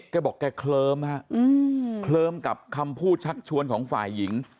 แกบอกแกเคลิ้มฮะเคลิ้มกับคำพูดชักชวนของฝ่ายหญิง